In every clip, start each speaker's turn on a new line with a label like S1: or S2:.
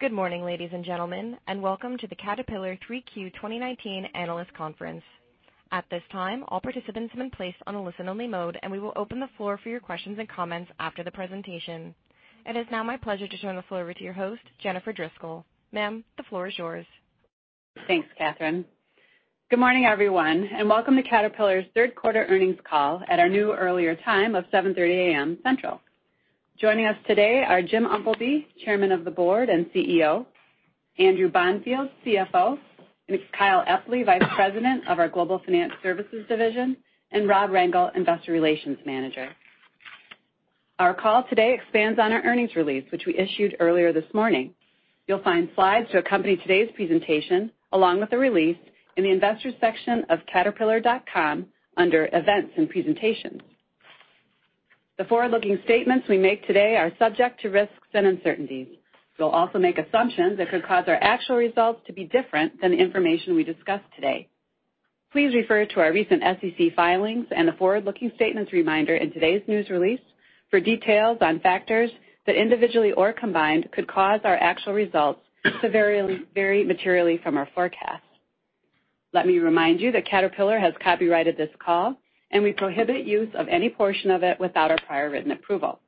S1: Good morning, ladies and gentlemen. Welcome to the Caterpillar 3Q2019 Analyst Conference. At this time, all participants have been placed on a listen-only mode, and we will open the floor for your questions and comments after the presentation. It is now my pleasure to turn the floor over to your host, Jennifer Driscoll. Ma'am, the floor is yours.
S2: Thanks, Catherine. Good morning, everyone, and welcome to Caterpillar's third quarter earnings call at our new earlier time of 7:30 A.M. Central. Joining us today are Jim Umpleby, Chairman of the Board and CEO, Andrew Bonfield, CFO, and Kyle Epley, Vice President of our Global Finance Services Division, and Rob Rengel, Investor Relations Manager. Our call today expands on our earnings release, which we issued earlier this morning. You'll find slides to accompany today's presentation, along with the release in the Investors section of caterpillar.com under Events and Presentations. The forward-looking statements we make today are subject to risks and uncertainties. We'll also make assumptions that could cause our actual results to be different than the information we discuss today. Please refer to our recent SEC filings and the forward-looking statements reminder in today's news release for details on factors that individually or combined could cause our actual results to vary materially from our forecasts. Let me remind you that Caterpillar has copyrighted this call, and we prohibit use of any portion of it without our prior written approval.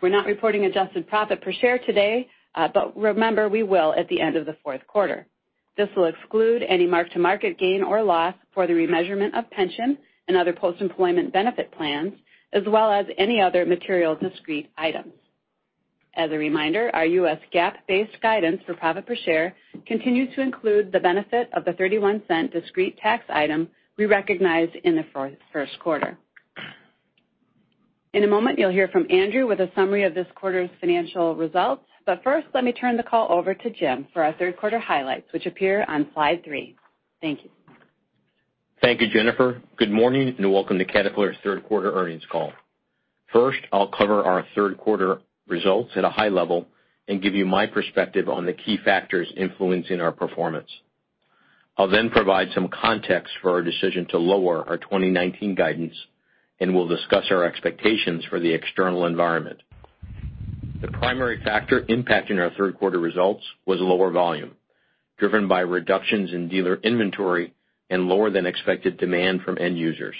S2: We're not reporting adjusted profit per share today, but remember, we will at the end of the fourth quarter. This will exclude any mark-to-market gain or loss for the remeasurement of pension and other post-employment benefit plans, as well as any other material discrete items. As a reminder, our US GAAP-based guidance for profit per share continues to include the benefit of the $0.31 discrete tax item we recognized in the first quarter. In a moment, you'll hear from Andrew with a summary of this quarter's financial results. First, let me turn the call over to Jim for our third quarter highlights, which appear on slide three. Thank you.
S3: Thank you, Jennifer. Good morning, and welcome to Caterpillar's third quarter earnings call. First, I'll cover our third quarter results at a high level and give you my perspective on the key factors influencing our performance. I'll then provide some context for our decision to lower our 2019 guidance, and we'll discuss our expectations for the external environment. The primary factor impacting our third quarter results was lower volume, driven by reductions in dealer inventory and lower than expected demand from end users.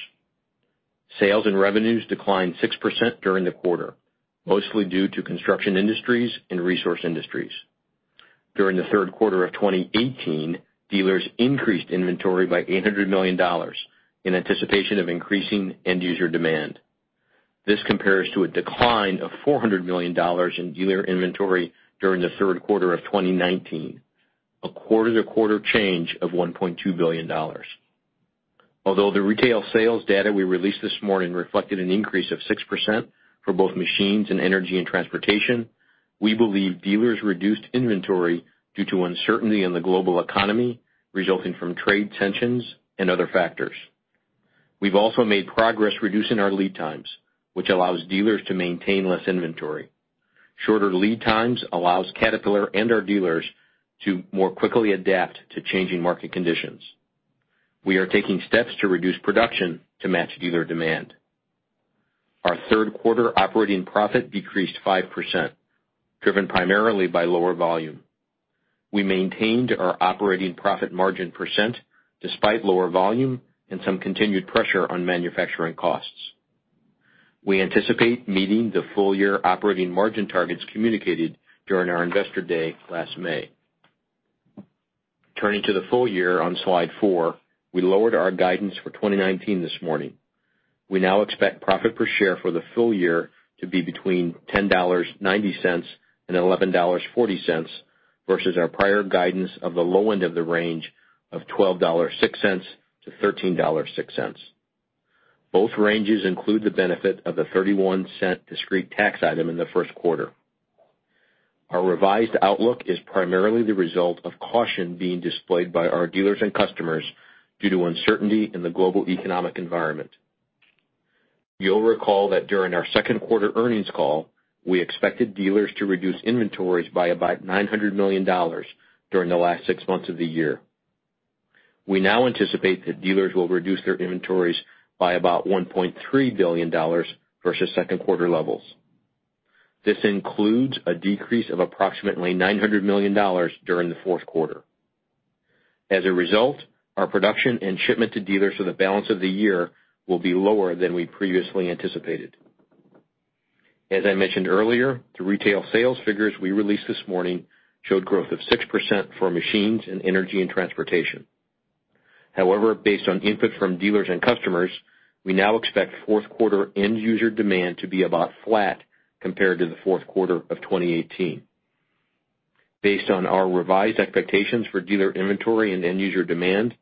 S3: Sales and revenues declined 6% during the quarter, mostly due to Construction Industries and Resource Industries. During the third quarter of 2018, dealers increased inventory by $800 million in anticipation of increasing end user demand. This compares to a decline of $400 million in dealer inventory during the third quarter of 2019, a quarter-to-quarter change of $1.2 billion. Although the retail sales data we released this morning reflected an increase of 6% for both machines and energy and transportation, we believe dealers reduced inventory due to uncertainty in the global economy resulting from trade tensions and other factors. We've also made progress reducing our lead times, which allows dealers to maintain less inventory. Shorter lead times allows Caterpillar and our dealers to more quickly adapt to changing market conditions. We are taking steps to reduce production to match dealer demand. Our third quarter operating profit decreased 5%, driven primarily by lower volume. We maintained our operating profit margin % despite lower volume and some continued pressure on manufacturing costs. We anticipate meeting the full year operating margin targets communicated during our Investor Day last May. Turning to the full year on slide four, we lowered our guidance for 2019 this morning. We now expect profit per share for the full year to be between $10.90 and $11.40 versus our prior guidance of the low end of the range of $12.06-$13.06. Both ranges include the benefit of the $0.31 discrete tax item in the first quarter. Our revised outlook is primarily the result of caution being displayed by our dealers and customers due to uncertainty in the global economic environment. You'll recall that during our second quarter earnings call, we expected dealers to reduce inventories by about $900 million during the last six months of the year. We now anticipate that dealers will reduce their inventories by about $1.3 billion versus second quarter levels. This includes a decrease of approximately $900 million during the fourth quarter. As a result, our production and shipment to dealers for the balance of the year will be lower than we previously anticipated. As I mentioned earlier, the retail sales figures we released this morning showed growth of 6% for machines and Energy & Transportation. However, based on input from dealers and customers, we now expect fourth quarter end user demand to be about flat compared to the fourth quarter of 2018. Based on our revised expectations for dealer inventory and end user demand,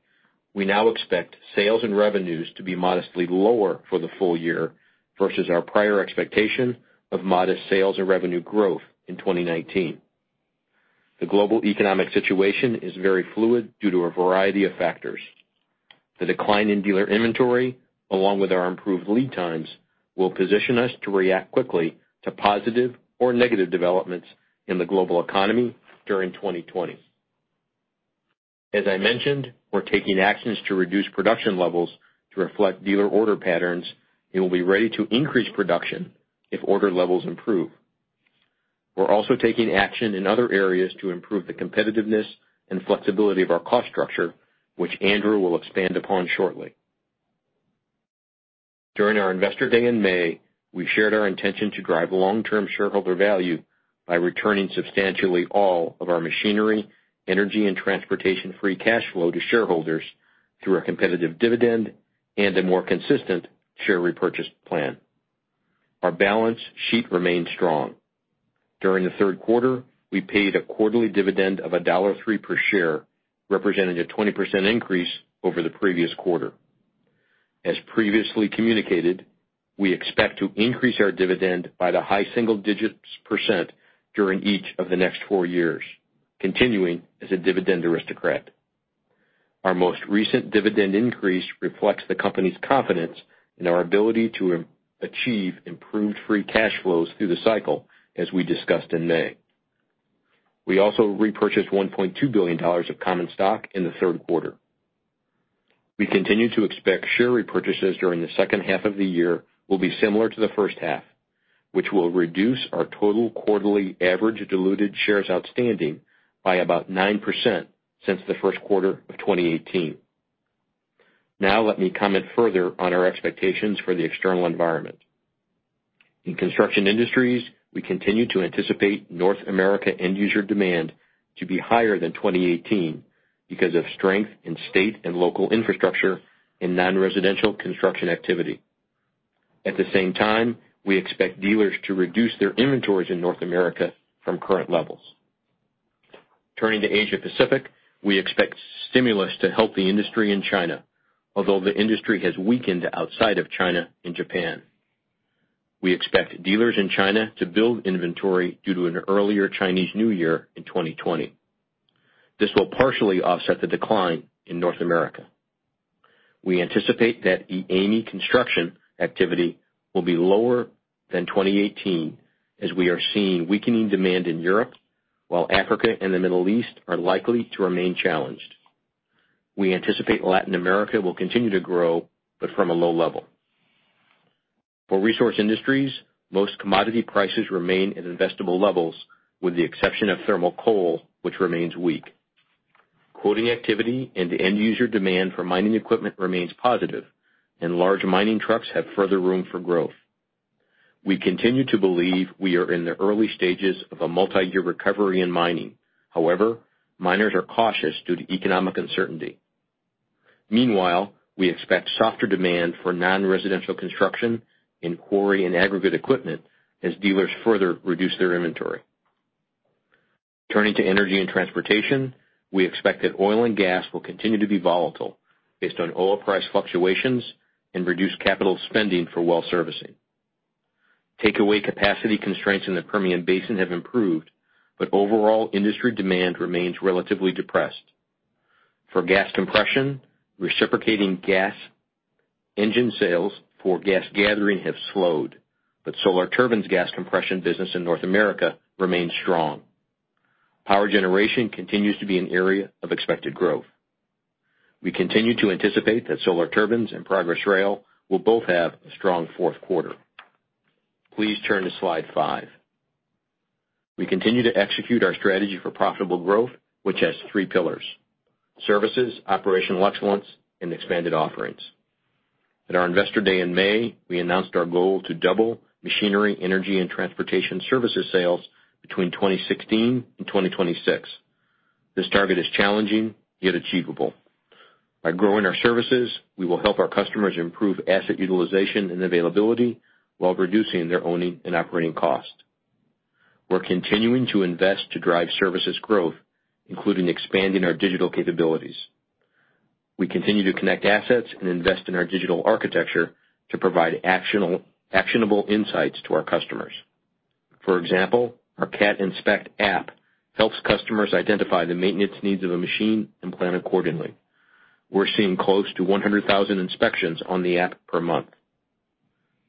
S3: we now expect sales and revenues to be modestly lower for the full year versus our prior expectation of modest sales and revenue growth in 2019. The global economic situation is very fluid due to a variety of factors. The decline in dealer inventory, along with our improved lead times, will position us to react quickly to positive or negative developments in the global economy during 2020. As I mentioned, we're taking actions to reduce production levels to reflect dealer order patterns, and we'll be ready to increase production if order levels improve. We're also taking action in other areas to improve the competitiveness and flexibility of our cost structure, which Andrew will expand upon shortly. During our Investor Day in May, we shared our intention to drive long-term shareholder value by returning substantially all of our Machinery, Energy & Transportation-free cash flow to shareholders through our competitive dividend and a more consistent share repurchase plan. Our balance sheet remains strong. During the third quarter, we paid a quarterly dividend of $1.03 per share, representing a 20% increase over the previous quarter. As previously communicated, we expect to increase our dividend by the high single digits % during each of the next four years, continuing as a dividend aristocrat. Our most recent dividend increase reflects the company's confidence in our ability to achieve improved free cash flows through the cycle, as we discussed in May. We also repurchased $1.2 billion of common stock in the third quarter. We continue to expect share repurchases during the second half of the year will be similar to the first half, which will reduce our total quarterly average diluted shares outstanding by about 9% since the first quarter of 2018. Let me comment further on our expectations for the external environment. In Construction Industries, we continue to anticipate North America end user demand to be higher than 2018 because of strength in state and local infrastructure in non-residential construction activity. At the same time, we expect dealers to reduce their inventories in North America from current levels. Turning to Asia Pacific, we expect stimulus to help the industry in China, although the industry has weakened outside of China and Japan. We expect dealers in China to build inventory due to an earlier Chinese New Year in 2020. This will partially offset the decline in North America. We anticipate that EAME construction activity will be lower than 2018, as we are seeing weakening demand in Europe, while Africa and the Middle East are likely to remain challenged. We anticipate Latin America will continue to grow, but from a low level. For Resource Industries, most commodity prices remain at investable levels, with the exception of thermal coal, which remains weak. Quoting activity into end user demand for mining equipment remains positive, and large mining trucks have further room for growth. We continue to believe we are in the early stages of a multi-year recovery in mining. However, miners are cautious due to economic uncertainty. Meanwhile, we expect softer demand for non-residential construction in quarry and aggregate equipment as dealers further reduce their inventory. Turning to energy and transportation, we expect that oil and gas will continue to be volatile based on oil price fluctuations and reduced capital spending for well servicing. Takeaway capacity constraints in the Permian Basin have improved, but overall industry demand remains relatively depressed. For gas compression, reciprocating gas engine sales for gas gathering have slowed, but Solar Turbines gas compression business in North America remains strong. Power generation continues to be an area of expected growth. We continue to anticipate that Solar Turbines and Progress Rail will both have a strong fourth quarter. Please turn to slide five. We continue to execute our strategy for profitable growth, which has three pillars: services, operational excellence, and expanded offerings. At our Investor Day in May, we announced our goal to double Machinery, Energy, and Transportation services sales between 2016 and 2026. This target is challenging yet achievable. By growing our services, we will help our customers improve asset utilization and availability while reducing their owning and operating cost. We're continuing to invest to drive services growth, including expanding our digital capabilities. We continue to connect assets and invest in our digital architecture to provide actionable insights to our customers. For example, our Cat Inspect app helps customers identify the maintenance needs of a machine and plan accordingly. We're seeing close to 100,000 inspections on the app per month.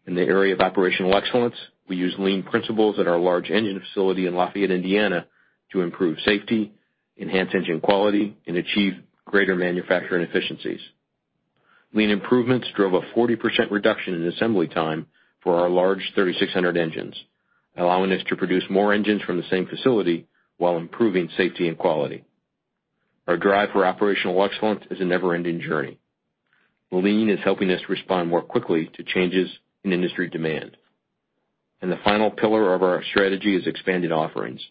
S3: In the area of operational excellence, we use lean principles at our large engine facility in Lafayette, Indiana, to improve safety, enhance engine quality, and achieve greater manufacturing efficiencies. Lean improvements drove a 40% reduction in assembly time for our large 3600 engines, allowing us to produce more engines from the same facility while improving safety and quality. Our drive for operational excellence is a never-ending journey. Lean is helping us respond more quickly to changes in industry demand. The final pillar of our strategy is expanded offerings,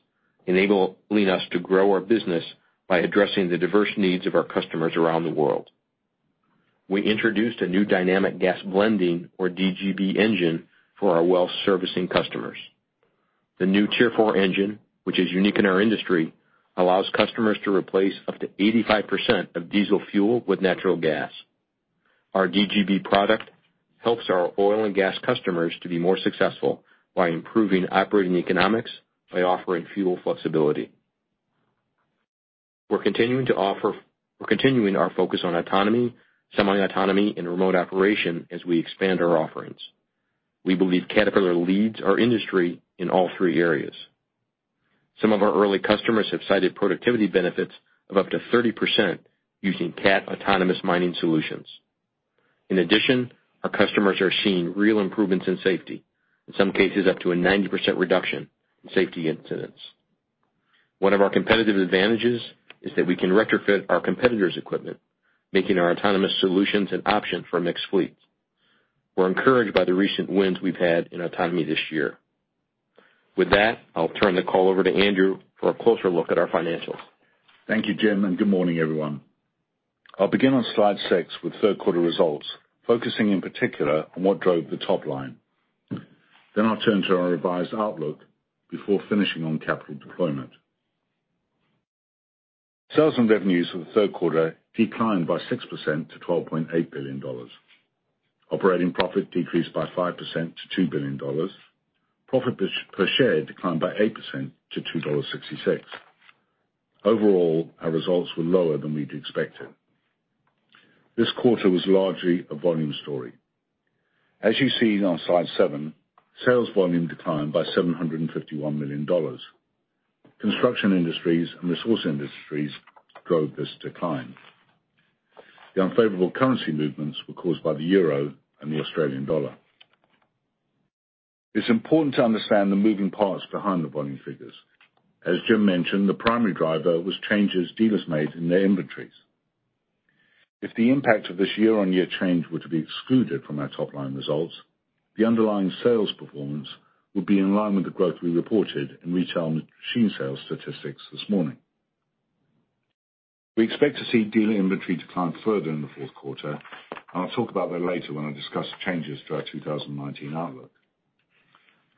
S3: enabling us to grow our business by addressing the diverse needs of our customers around the world. We introduced a new dynamic gas blending, or DGB engine, for our well servicing customers. The new Tier 4 engine, which is unique in our industry, allows customers to replace up to 85% of diesel fuel with natural gas. Our DGB product helps our oil and gas customers to be more successful by improving operating economics by offering fuel flexibility. We're continuing our focus on autonomy, semi-autonomy, and remote operation as we expand our offerings. We believe Caterpillar leads our industry in all three areas. Some of our early customers have cited productivity benefits of up to 30% using Cat autonomous mining solutions. In addition, our customers are seeing real improvements in safety, in some cases up to a 90% reduction in safety incidents. One of our competitive advantages is that we can retrofit our competitors' equipment, making our autonomous solutions an option for mixed fleets. We're encouraged by the recent wins we've had in autonomy this year. With that, I'll turn the call over to Andrew for a closer look at our financials.
S4: Thank you, Jim. Good morning, everyone. I'll begin on slide six with third quarter results, focusing in particular on what drove the top line. I'll turn to our revised outlook before finishing on capital deployment. Sales and revenues for the third quarter declined by 6% to $12.8 billion. Operating profit decreased by 5% to $2 billion. Profit per share declined by 8% to $2.66. Overall, our results were lower than we'd expected. This quarter was largely a volume story. As you see on slide seven, sales volume declined by $751 million. Construction Industries and Resource Industries drove this decline. The unfavorable currency movements were caused by the euro and the Australian dollar. It's important to understand the moving parts behind the volume figures. As Jim mentioned, the primary driver was changes dealers made in their inventories. If the impact of this year-on-year change were to be excluded from our top-line results, the underlying sales performance would be in line with the growth we reported in retail machine sales statistics this morning. We expect to see dealer inventory decline further in the fourth quarter, and I'll talk about that later when I discuss changes to our 2019 outlook.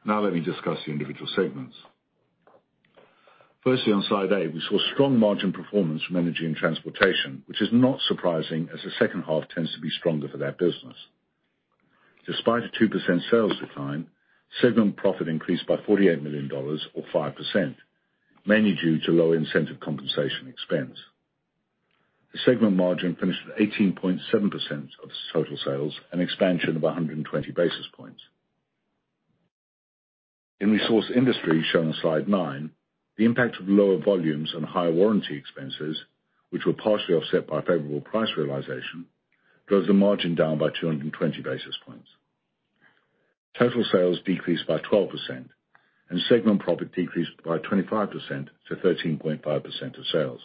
S4: Now let me discuss the individual segments. Firstly, on slide eight, we saw strong margin performance from Energy and Transportation, which is not surprising as the second half tends to be stronger for that business. Despite a 2% sales decline, segment profit increased by $48 million, or 5%, mainly due to low incentive compensation expense. The segment margin finished at 18.7% of total sales, an expansion of 120 basis points. In Resource Industries, shown on slide nine, the impact of lower volumes and higher warranty expenses, which were partially offset by favorable price realization, drove the margin down by 220 basis points. Total sales decreased by 12% and segment profit decreased by 25% to 13.5% of sales.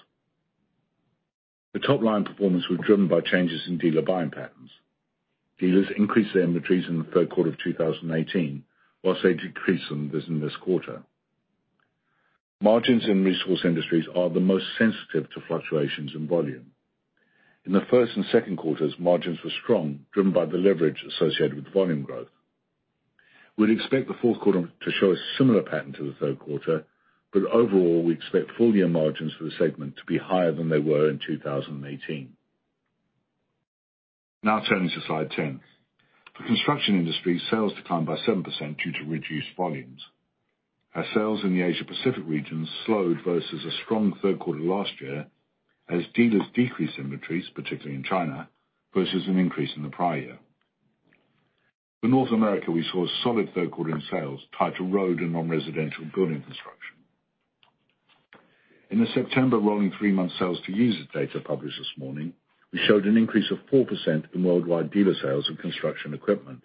S4: The top-line performance was driven by changes in dealer buying patterns. Dealers increased their inventories in the third quarter of 2018 whilst they decreased them in this quarter. Margins in Resource Industries are the most sensitive to fluctuations in volume. In the first and second quarters, margins were strong, driven by the leverage associated with volume growth. We'd expect the fourth quarter to show a similar pattern to the third quarter, but overall, we expect full-year margins for the segment to be higher than they were in 2018. Now turning to slide 10. For Construction Industries, sales declined by 7% due to reduced volumes, as sales in the Asia Pacific region slowed versus a strong third quarter last year, as dealers decreased inventories, particularly in China, versus an increase in the prior year. For North America, we saw a solid third quarter in sales tied to road and non-residential building construction. In the September rolling three-month sales to user data published this morning, we showed an increase of 4% in worldwide dealer sales of construction equipment.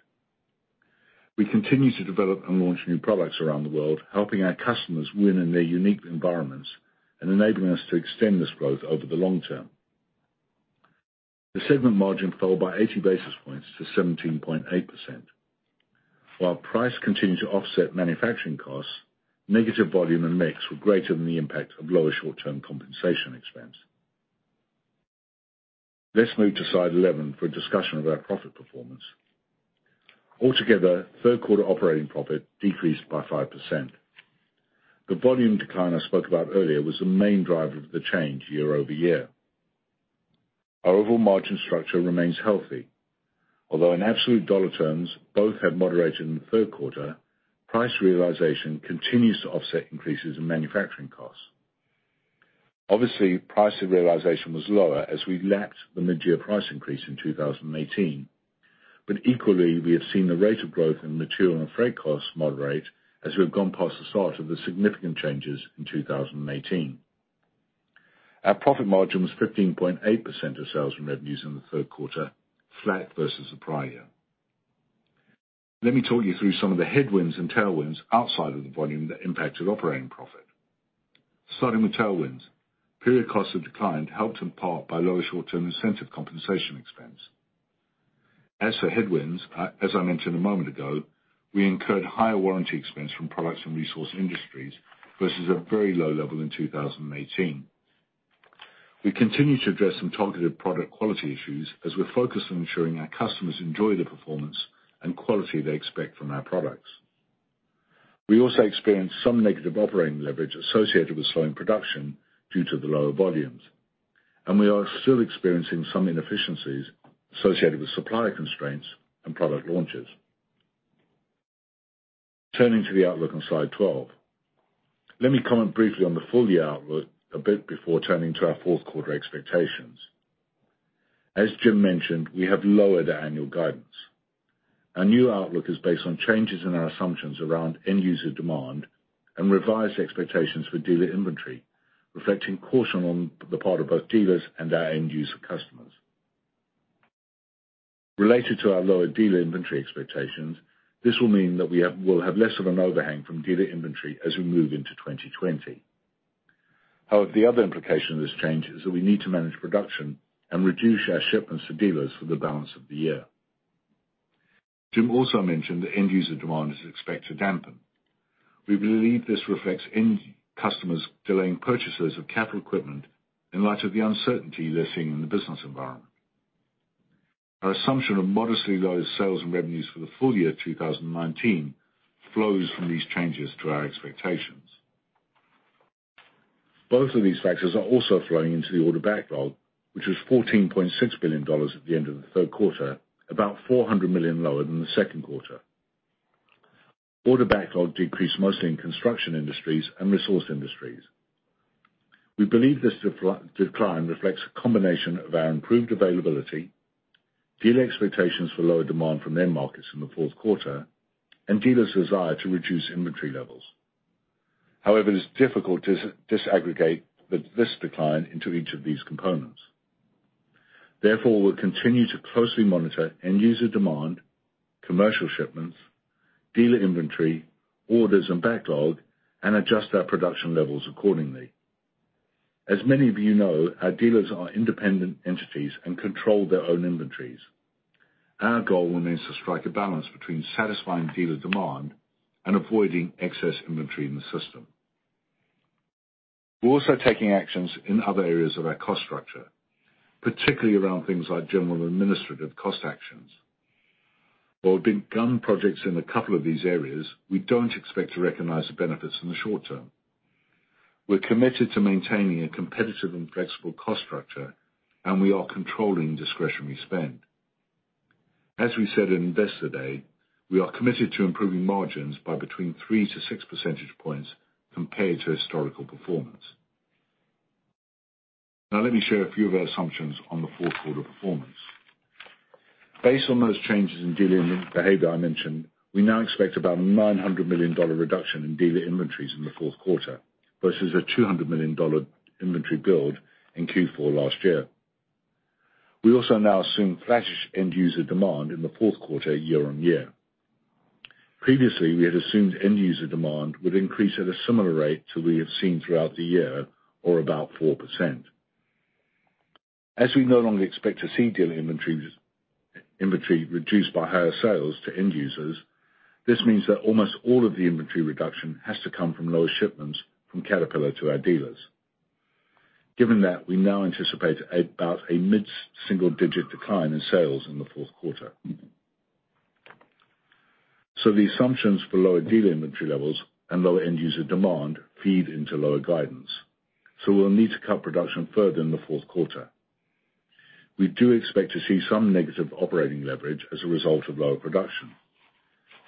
S4: We continue to develop and launch new products around the world, helping our customers win in their unique environments and enabling us to extend this growth over the long term. The segment margin fell by 80 basis points to 17.8%. While price continued to offset manufacturing costs, negative volume and mix were greater than the impact of lower short-term compensation expense. Let's move to slide 11 for a discussion of our profit performance. Altogether, third-quarter operating profit decreased by 5%. The volume decline I spoke about earlier was the main driver of the change year-over-year. Our overall margin structure remains healthy. Although in absolute dollar terms, both have moderated in the third quarter, price realization continues to offset increases in manufacturing costs. Obviously, price realization was lower as we lapped the mid-year price increase in 2018. Equally, we have seen the rate of growth in material and freight costs moderate as we have gone past the start of the significant changes in 2018. Our profit margin was 15.8% of sales from revenues in the third quarter, flat versus the prior year. Let me talk you through some of the headwinds and tailwinds outside of the volume that impacted operating profit. Starting with tailwinds. Period costs have declined, helped in part by lower short-term incentive compensation expense. As for headwinds, as I mentioned a moment ago, we incurred higher warranty expense from products and Resource Industries versus a very low level in 2018. We continue to address some targeted product quality issues as we're focused on ensuring our customers enjoy the performance and quality they expect from our products. We also experienced some negative operating leverage associated with slowing production due to the lower volumes, and we are still experiencing some inefficiencies associated with supply constraints and product launches. Turning to the outlook on slide 12. Let me comment briefly on the full-year outlook a bit before turning to our fourth quarter expectations. As Jim mentioned, we have lowered our annual guidance. Our new outlook is based on changes in our assumptions around end-user demand and revised expectations for dealer inventory, reflecting caution on the part of both dealers and our end-user customers. Related to our lower dealer inventory expectations, this will mean that we will have less of an overhang from dealer inventory as we move into 2020. The other implication of this change is that we need to manage production and reduce our shipments to dealers for the balance of the year. Jim also mentioned that end-user demand is expected to dampen. We believe this reflects end customers delaying purchases of capital equipment in light of the uncertainty they're seeing in the business environment. Our assumption of modestly low sales and revenues for the full year 2019 flows from these changes to our expectations. Both of these factors are also flowing into the order backlog, which was $14.6 billion at the end of the third quarter, about $400 million lower than the second quarter. Order backlog decreased mostly in Construction Industries and Resource Industries. We believe this decline reflects a combination of our improved availability, dealer expectations for lower demand from their markets in the fourth quarter, and dealers' desire to reduce inventory levels. However, it is difficult to disaggregate this decline into each of these components. Therefore, we'll continue to closely monitor end-user demand, commercial shipments, dealer inventory, orders and backlog, and adjust our production levels accordingly. As many of you know, our dealers are independent entities and control their own inventories. Our goal remains to strike a balance between satisfying dealer demand and avoiding excess inventory in the system. We're also taking actions in other areas of our cost structure, particularly around things like general administrative cost actions. While we've begun projects in a couple of these areas, we don't expect to recognize the benefits in the short term. We're committed to maintaining a competitive and flexible cost structure, we are controlling discretionary spend. As we said in Investor Day, we are committed to improving margins by between 3 to 6 percentage points compared to historical performance. Let me share a few of our assumptions on the fourth quarter performance. Based on those changes in dealer behavior I mentioned, we now expect about a $900 million reduction in dealer inventories in the fourth quarter, versus a $200 million inventory build in Q4 last year. We also now assume flattish end-user demand in the fourth quarter year-over-year. Previously, we had assumed end-user demand would increase at a similar rate to we have seen throughout the year, or about 4%. We no longer expect to see dealer inventory reduced by higher sales to end users, this means that almost all of the inventory reduction has to come from lower shipments from Caterpillar to our dealers. Given that, we now anticipate about a mid-single-digit decline in sales in the fourth quarter. The assumptions for lower dealer inventory levels and lower end-user demand feed into lower guidance, so we'll need to cut production further in the fourth quarter. We do expect to see some negative operating leverage as a result of lower production.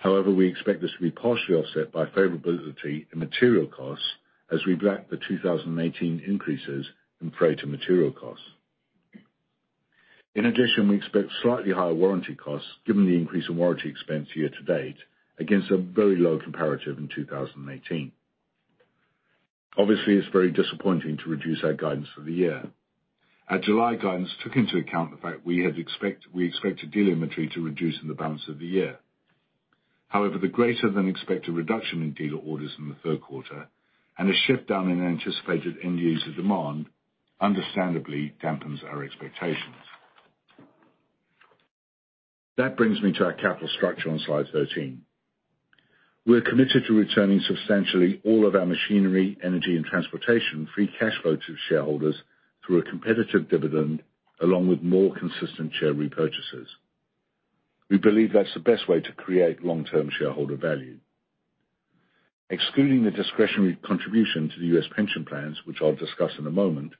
S4: We expect this to be partially offset by favorability in material costs as we lap the 2018 increases in freight and material costs. In addition, we expect slightly higher warranty costs given the increase in warranty-to-date warranty expense year-to-date against a very low comparative in 2018. Obviously, it's very disappointing to reduce our guidance for the year. Our July guidance took into account the fact we expected dealer inventory to reduce in the balance of the year. The greater-than-expected reduction in dealer orders in the third quarter and a shift down in anticipated end-user demand understandably dampens our expectations. That brings me to our capital structure on slide 13. We're committed to returning substantially all of our Machinery, Energy, and Transportation free cash flow to shareholders through a competitive dividend along with more consistent share repurchases. We believe that's the best way to create long-term shareholder value. Excluding the discretionary contribution to the U.S. pension plans, which I'll discuss in a moment,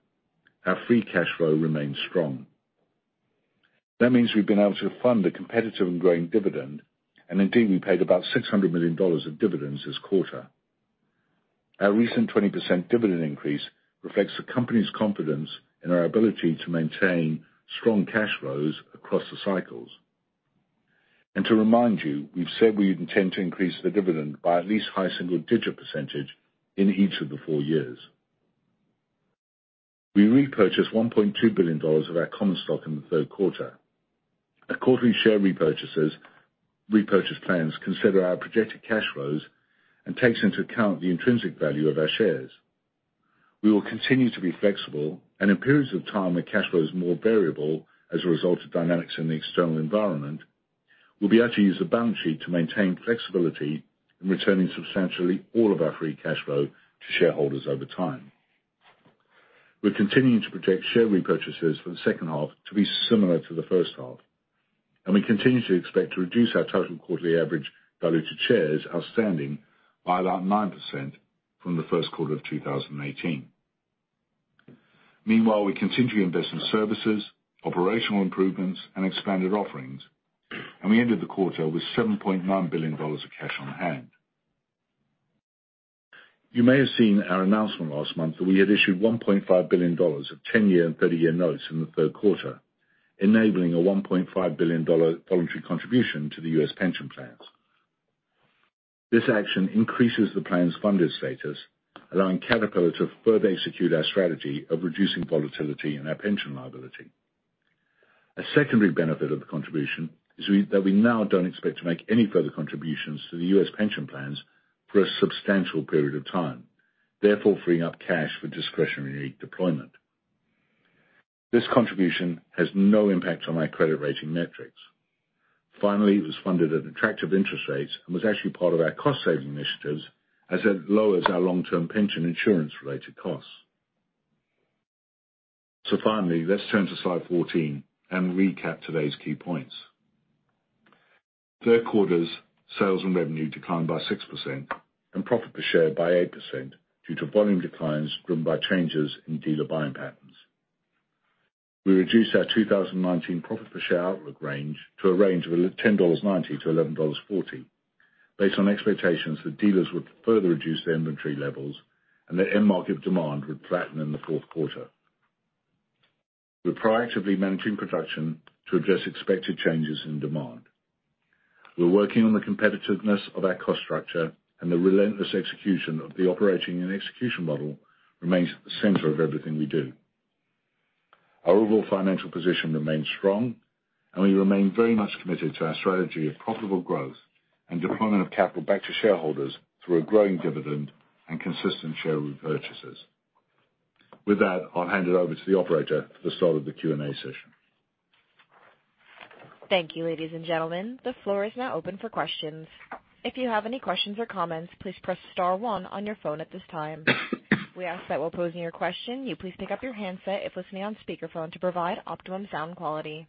S4: our free cash flow remains strong. That means we've been able to fund a competitive and growing dividend, and indeed, we paid about $600 million of dividends this quarter. Our recent 20% dividend increase reflects the company's confidence in our ability to maintain strong cash flows across the cycles. To remind you, we've said we intend to increase the dividend by at least high single-digit percentage in each of the four years. We repurchased $1.2 billion of our common stock in the third quarter. Our quarterly share repurchase plans consider our projected cash flows and takes into account the intrinsic value of our shares. We will continue to be flexible, and in periods of time where cash flow is more variable as a result of dynamics in the external environment, we'll be able to use the balance sheet to maintain flexibility in returning substantially all of our free cash flow to shareholders over time. We're continuing to project share repurchases for the 2nd half to be similar to the 1st half, and we continue to expect to reduce our total quarterly average value to shares outstanding by about 9% from the 1st quarter of 2018. Meanwhile, we continue to invest in services, operational improvements, and expanded offerings, and we ended the quarter with $7.9 billion of cash on hand. You may have seen our announcement last month that we had issued $1.5 billion of 10-year and 30-year notes in the 3rd quarter, enabling a $1.5 billion voluntary contribution to the U.S. pension plans. This action increases the plan's funded status, allowing Caterpillar to further execute our strategy of reducing volatility in our pension liability. A secondary benefit of the contribution is that we now don't expect to make any further contributions to the U.S. pension plans for a substantial period of time, therefore freeing up cash for discretionary deployment. This contribution has no impact on our credit rating metrics. Finally, it was funded at attractive interest rates and was actually part of our cost-saving initiatives as it lowers our long-term pension insurance related costs. Finally, let's turn to slide 14 and recap today's key points. Third quarter's sales and revenue declined by 6% and profit per share by 8% due to volume declines driven by changes in dealer buying patterns. We reduced our 2019 profit per share outlook range to a range of $10.90 to $11.40, based on expectations that dealers would further reduce their inventory levels and that end market demand would flatten in the fourth quarter. We're proactively managing production to address expected changes in demand. We're working on the competitiveness of our cost structure and the relentless execution of the Operating & Execution Model remains at the center of everything we do. Our overall financial position remains strong, and we remain very much committed to our strategy of profitable growth and deployment of capital back to shareholders through a growing dividend and consistent share repurchases. With that, I'll hand it over to the operator at the start of the Q&A session.
S1: Thank you, ladies and gentlemen. The floor is now open for questions. If you have any questions or comments, please press star one on your phone at this time. We ask that while posing your question, you please pick up your handset if listening on speakerphone to provide optimum sound quality.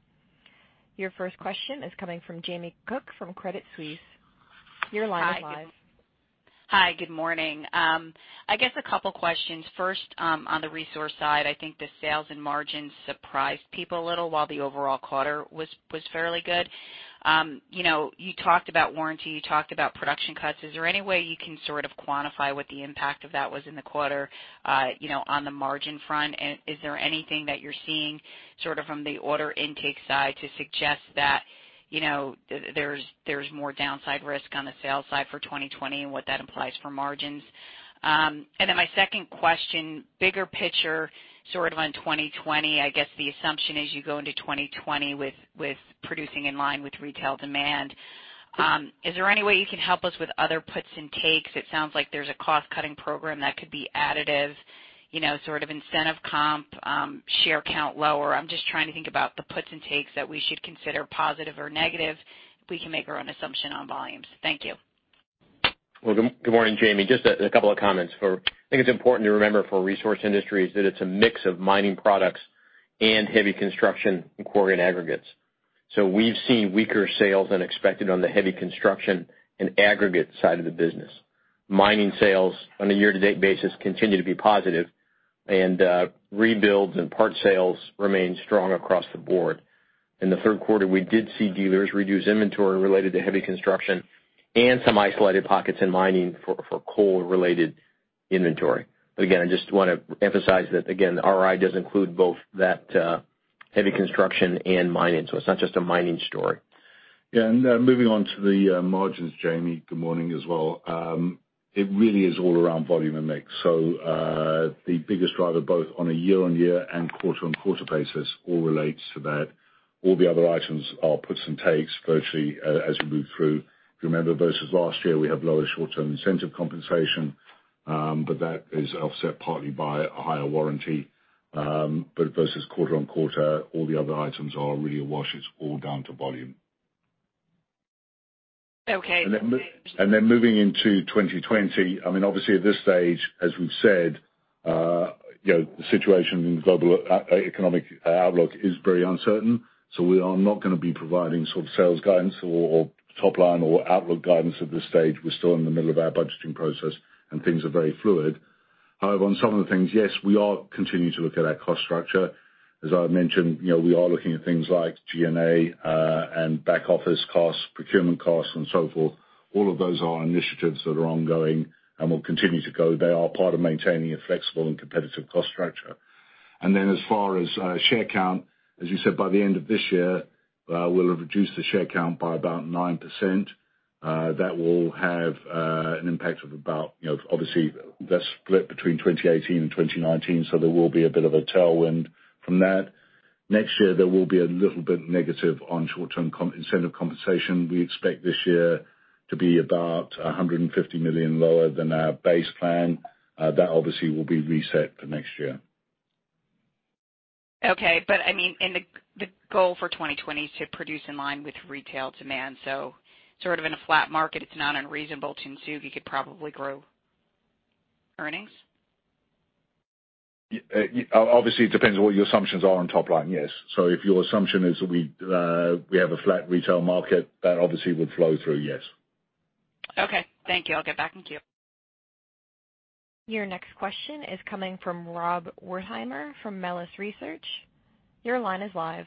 S1: Your first question is coming from Jamie Cook from Credit Suisse. Your line is live.
S5: Hi. Good morning. I guess a couple of questions. First, on the Resource side. I think the sales and margins surprised people a little while the overall quarter was fairly good. You talked about warranty, you talked about production cuts. Is there any way you can sort of quantify what the impact of that was in the quarter on the margin front? Is there anything that you're seeing from the order intake side to suggest that there's more downside risk on the sales side for 2020 and what that implies for margins? My second question, bigger picture, sort of on 2020. I guess the assumption as you go into 2020 with producing in line with retail demand. Is there any way you can help us with other puts and takes? It sounds like there's a cost-cutting program that could be additive, sort of incentive comp, share count lower. I'm just trying to think about the puts and takes that we should consider positive or negative. We can make our own assumption on volumes. Thank you.
S3: Good morning, Jamie. Just a couple of comments. I think it's important to remember for Resource Industries that it's a mix of mining products and heavy construction and quarry and aggregates. We've seen weaker sales than expected on the heavy construction and aggregate side of the business. Mining sales on a year-to-date basis continue to be positive, and rebuilds and parts sales remain strong across the board. In the third quarter, we did see dealers reduce inventory related to heavy construction and some isolated pockets in mining for coal-related inventory. Again, I just want to emphasize that, again, RI does include both that heavy construction and mining. It's not just a mining story.
S4: Moving on to the margins, Jamie, good morning as well. It really is all around volume and mix. The biggest driver, both on a year-on-year and quarter-on-quarter basis, all relates to that. All the other items are puts and takes virtually as we move through. If you remember, versus last year, we have lower short-term incentive compensation, but that is offset partly by a higher warranty. Versus quarter-on-quarter, all the other items are really a wash. It is all down to volume.
S5: Okay.
S4: Moving into 2020, obviously at this stage, as we've said, the situation in global economic outlook is very uncertain. We are not going to be providing sort of sales guidance or top line or outlook guidance at this stage. We're still in the middle of our budgeting process and things are very fluid. On some of the things, yes, we are continuing to look at our cost structure. As I mentioned, we are looking at things like G&A, and back-office costs, procurement costs, and so forth. All of those are initiatives that are ongoing and will continue to go. They are part of maintaining a flexible and competitive cost structure. As far as share count, as you said, by the end of this year, we'll have reduced the share count by about 9%. That will have an impact of about, obviously that's split between 2018 and 2019, so there will be a bit of a tailwind from that. Next year, there will be a little bit negative on short-term incentive compensation. We expect this year to be about $150 million lower than our base plan. That obviously will be reset for next year.
S5: Okay. The goal for 2020 is to produce in line with retail demand. Sort of in a flat market, it's not unreasonable to assume you could probably grow earnings?
S4: Obviously, it depends on what your assumptions are on top line, yes. If your assumption is we have a flat retail market, that obviously would flow through, yes.
S5: Okay. Thank you. I'll get back in queue.
S1: Your next question is coming from Rob Wertheimer from Melius Research. Your line is live.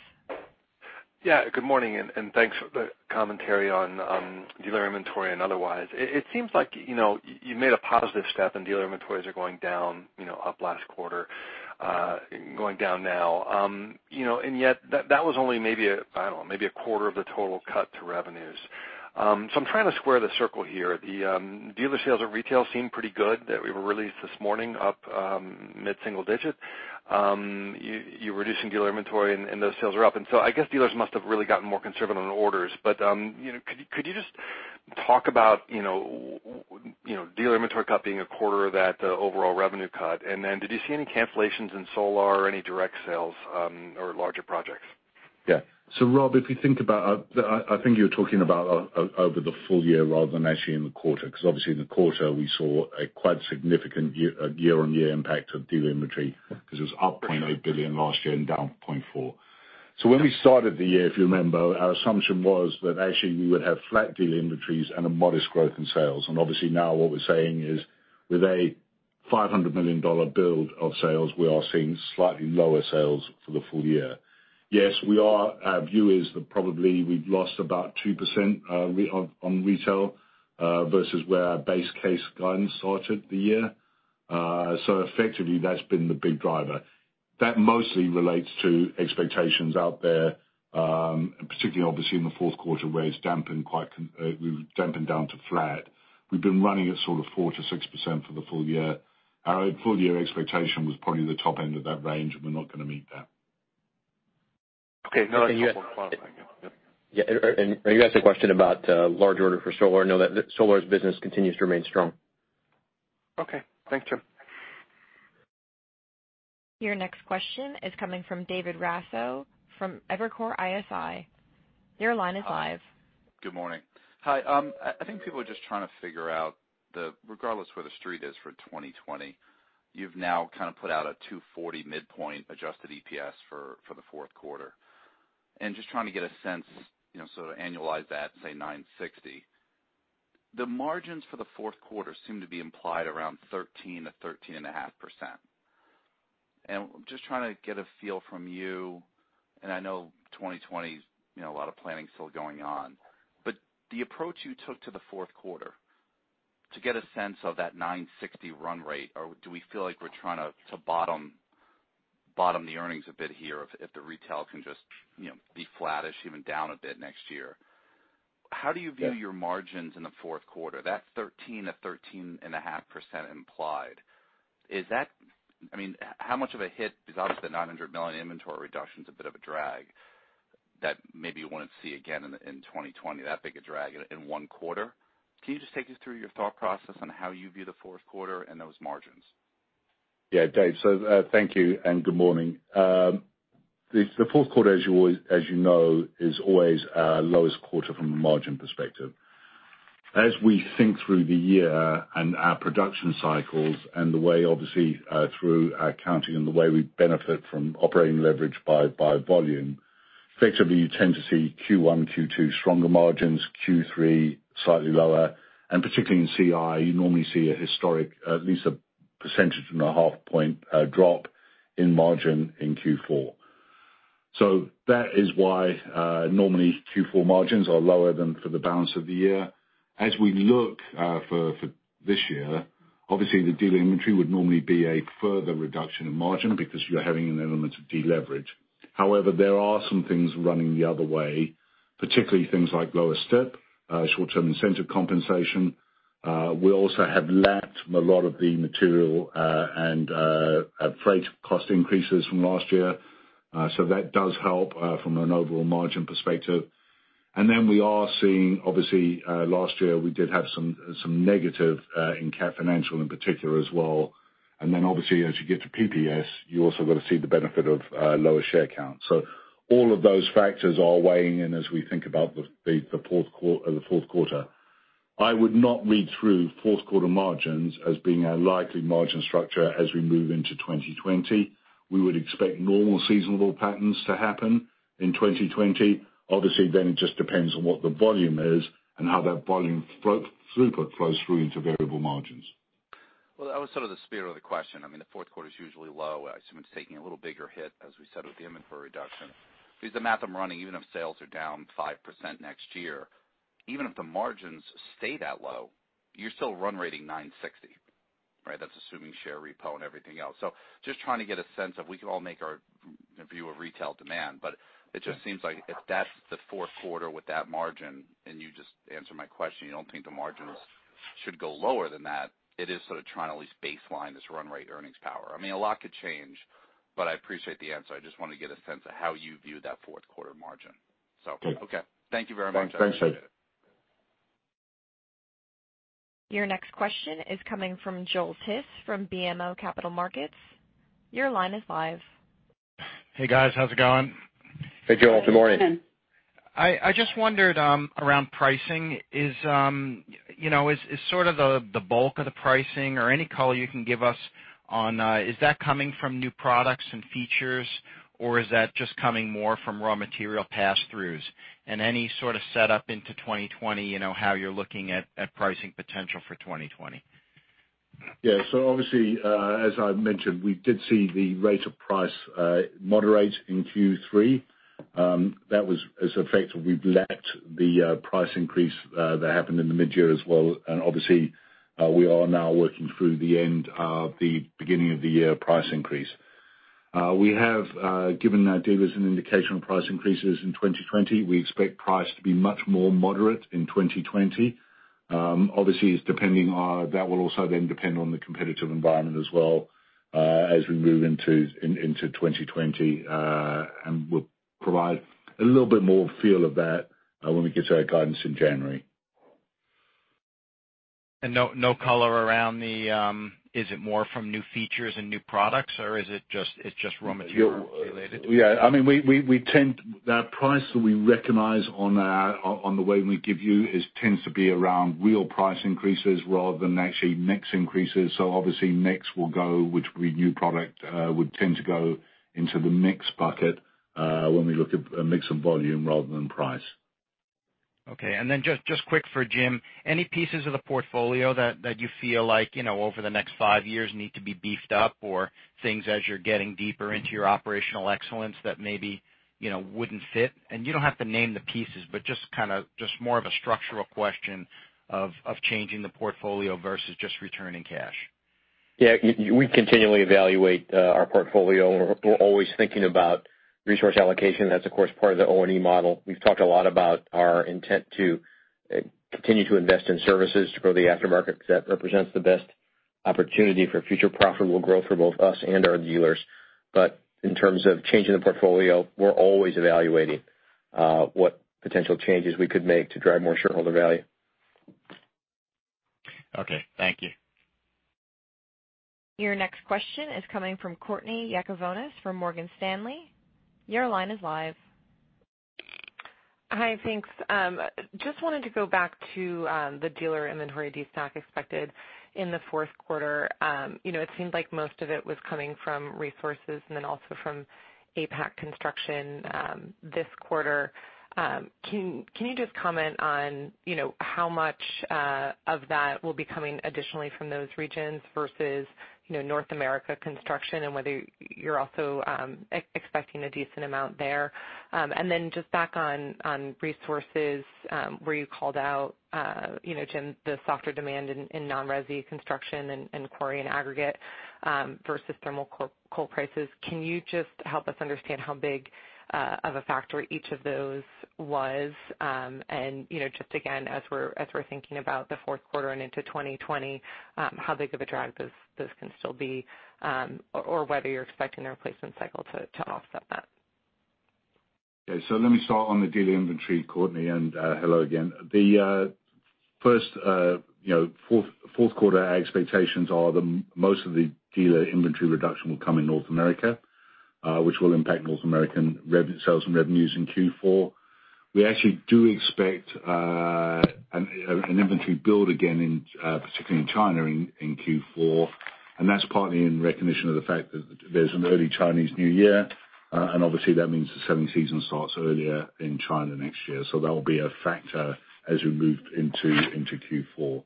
S6: Good morning, thanks for the commentary on dealer inventory and otherwise. It seems like you made a positive step and dealer inventories are going down, up last quarter, going down now. Yet, that was only maybe, I don't know, maybe a quarter of the total cut to revenues. I'm trying to square the circle here. The dealer sales at retail seem pretty good, that were released this morning, up mid-single digit. You're reducing dealer inventory and those sales are up. So I guess dealers must have really gotten more conservative on orders. Could you just talk about dealer inventory cut being a quarter of that overall revenue cut, then did you see any cancellations in Solar or any direct sales or larger projects?
S4: Rob, I think you're talking about over the full year rather than actually in the quarter, because obviously the quarter we saw a quite significant year-over-year impact of dealer inventory because it was up $0.8 billion last year and down $0.4 billion. When we started the year, if you remember, our assumption was that actually we would have flat dealer inventories and a modest growth in sales. Obviously now what we're saying is with a $500 million build of sales, we are seeing slightly lower sales for the full year. Yes, our view is that probably we've lost about 2% on retail, versus where our base case guidance started the year. Effectively, that's been the big driver. That mostly relates to expectations out there, particularly obviously in the fourth quarter where we've dampened down to flat. We've been running at sort of 4%-6% for the full year. Our full year expectation was probably the top end of that range. We're not going to meet that.
S6: Okay. No, that's helpful.
S3: You asked a question about larger order for Solar. No, Solar's business continues to remain strong.
S6: Okay. Thanks, Jim.
S1: Your next question is coming from David Raso from Evercore ISI. Your line is live.
S7: Good morning. Hi. I think people are just trying to figure out that regardless where the street is for 2020, you've now kind of put out a $2.40 midpoint adjusted EPS for the fourth quarter. Just trying to get a sense, so to annualize that, say $9.60. The margins for the fourth quarter seem to be implied around 13%-13.5%. I'm just trying to get a feel from you, and I know 2020, a lot of planning still going on, but the approach you took to the fourth quarter to get a sense of that $9.60 run rate, or do we feel like we're trying to bottom the earnings a bit here if the retail can just be flattish, even down a bit next year. How do you view your margins in the fourth quarter? That 13%-13.5% implied, how much of a hit is obvious that $900 million inventory reduction's a bit of a drag that maybe you wouldn't see again in 2020, that big a drag in one quarter? Can you just take us through your thought process on how you view the fourth quarter and those margins?
S4: Yeah, Dave. Thank you and good morning. The fourth quarter, as you know, is always our lowest quarter from a margin perspective. As we think through the year and our production cycles and the way, obviously, through our accounting and the way we benefit from operating leverage by volume, effectively, you tend to see Q1, Q2 stronger margins, Q3 slightly lower, and particularly in CI, you normally see a historic, at least a percentage and a half point drop in margin in Q4. That is why, normally Q4 margins are lower than for the balance of the year. As we look for this year, obviously the dealer inventory would normally be a further reduction in margin because you're having an element of deleverage. However, there are some things running the other way, particularly things like lower STIC, short-term incentive compensation. We also have lapped from a lot of the material and freight cost increases from last year. That does help from an overall margin perspective. We are seeing, obviously, last year we did have some negative in Cat Financial in particular as well. Obviously as you get to PPS, you also got to see the benefit of lower share count. All of those factors are weighing in as we think about the fourth quarter. I would not read through fourth quarter margins as being our likely margin structure as we move into 2020. We would expect normal seasonal patterns to happen in 2020. Then it just depends on what the volume is and how that volume throughput flows through into variable margins.
S7: That was sort of the spirit of the question. The fourth quarter's usually low. I assume it's taking a little bigger hit, as we said, with the inventory reduction. The math I'm running, even if sales are down 5% next year, even if the margins stay that low, you're still run-rating $960. Right? That's assuming share repo and everything else. Just trying to get a sense of, we can all make our view of retail demand, it just seems like if that's the fourth quarter with that margin, and you just answered my question, you don't think the margins should go lower than that, it is sort of trying to at least baseline this run rate earnings power. A lot could change, I appreciate the answer. I just wanted to get a sense of how you view that fourth quarter margin. Okay. Thank you very much.
S4: Thanks, Dave.
S1: Your next question is coming from Joel Tiss from BMO Capital Markets. Your line is live.
S8: Hey, guys. How's it going?
S4: Hey, Joel. Good morning.
S8: I just wondered around pricing, is sort of the bulk of the pricing or any color you can give us on, is that coming from new products and features, or is that just coming more from raw material passthroughs? Any sort of setup into 2020, how you're looking at pricing potential for 2020?
S4: Yeah. Obviously, as I've mentioned, we did see the rate of price moderate in Q3. That was as effective. We've lapped the price increase that happened in the mid-year as well. Obviously, we are now working through the end of the beginning of the year price increase. We have given our dealers an indication on price increases in 2020. We expect price to be much more moderate in 2020. Obviously, that will also then depend on the competitive environment as well, as we move into 2020. We'll provide a little bit more feel of that when we give our guidance in January.
S8: No color around the, is it more from new features and new products, or is it just raw material related?
S4: Yeah. The price that we recognize on the way we give you tends to be around real price increases rather than actually mix increases. Obviously mix will go, which new product would tend to go into the mix bucket, when we look at mix and volume rather than price.
S8: Okay. Just quick for Jim, any pieces of the portfolio that you feel like over the next five years need to be beefed up? Things as you're getting deeper into your operational excellence that maybe wouldn't fit? You don't have to name the pieces, but just more of a structural question of changing the portfolio versus just returning cash.
S3: Yeah. We continually evaluate our portfolio. We're always thinking about resource allocation. That's, of course, part of the O&E Model. We've talked a lot about our intent to continue to invest in services to grow the aftermarket, because that represents the best opportunity for future profitable growth for both us and our dealers. But in terms of changing the portfolio, we're always evaluating what potential changes we could make to drive more shareholder value.
S8: Okay, thank you.
S1: Your next question is coming from Courtney Yakavonis from Morgan Stanley. Your line is live.
S9: Hi, thanks. Just wanted to go back to the dealer inventory destock expected in the fourth quarter. It seems like most of it was coming from Resource Industries and then also from APAC Construction this quarter. Can you just comment on how much of that will be coming additionally from those regions versus North America Construction, and whether you're also expecting a decent amount there? Then just back on Resource Industries, where you called out, Jim, the softer demand in non-resi construction and quarry and aggregate versus thermal coal prices, can you just help us understand how big of a factor each of those was? Just again, as we're thinking about the fourth quarter and into 2020, how big of a drag those can still be, or whether you're expecting the replacement cycle to offset that.
S4: Okay. Let me start on the dealer inventory, Courtney, and hello again. The first fourth quarter expectations are that most of the dealer inventory reduction will come in North America, which will impact North American sales and revenues in Q4. We actually do expect an inventory build again, particularly in China, in Q4, and that's partly in recognition of the fact that there's an early Chinese New Year, and obviously that means the selling season starts earlier in China next year. That will be a factor as we move into Q4.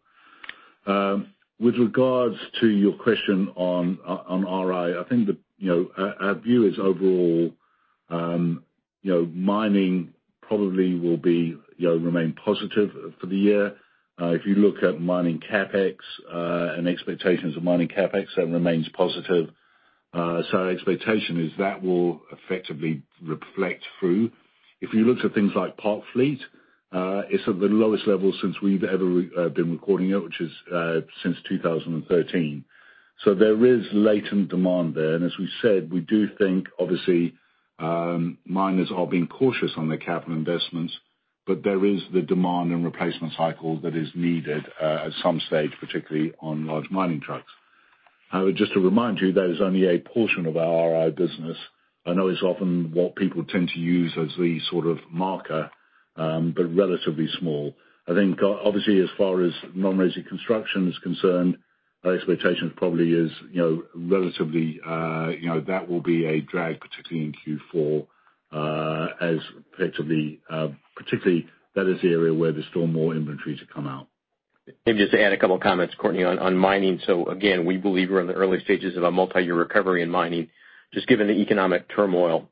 S4: With regards to your question on RI, I think that our view is overall mining probably will remain positive for the year. If you look at mining CapEx and expectations of mining CapEx, that remains positive. Our expectation is that will effectively reflect through. If you looked at things like parked fleet, it is at the lowest level since we have ever been recording it, which is since 2013. There is latent demand there. As we said, we do think obviously, miners are being cautious on their capital investments, but there is the demand and replacement cycle that is needed at some stage, particularly on large mining trucks. However, just to remind you, that is only a portion of our RI business. I know it is often what people tend to use as the sort of marker, but relatively small. I think obviously as far as non-resi construction is concerned, our expectation probably is that will be a drag, particularly in Q4, as particularly that is the area where there is still more inventory to come out.
S3: Maybe just to add a couple of comments, Courtney Yakavonis, on mining. Again, we believe we're in the early stages of a multi-year recovery in mining. Just given the economic turmoil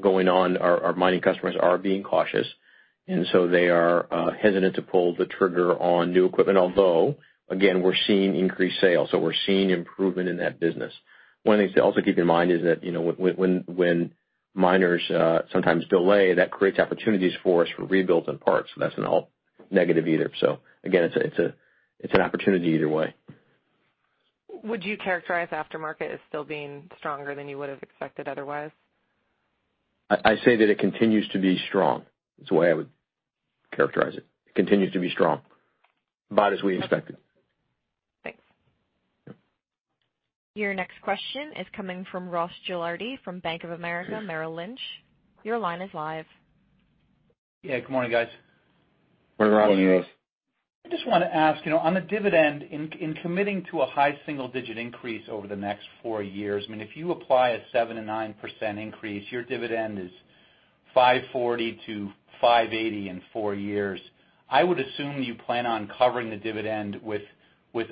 S3: going on, our mining customers are being cautious, and so they are hesitant to pull the trigger on new equipment, although, again, we're seeing increased sales. We're seeing improvement in that business. One of the things to also keep in mind is that when miners sometimes delay, that creates opportunities for us for rebuilds and parts, so that's not all negative either. Again, it's an opportunity either way.
S9: Would you characterize aftermarket as still being stronger than you would have expected otherwise?
S3: I'd say that it continues to be strong. That's the way I would characterize it. It continues to be strong. About as we expected.
S9: Thanks.
S3: Yeah.
S1: Your next question is coming from Ross Gilardi from Bank of America Merrill Lynch. Your line is live.
S10: Yeah. Good morning, guys.
S4: Morning, Ross.
S10: I just want to ask, on the dividend, in committing to a high single-digit increase over the next four years, if you apply a 7%-9% increase, your dividend is $5.40-$5.80 in four years. I would assume you plan on covering the dividend with